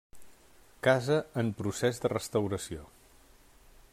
Casa en procés de restauració.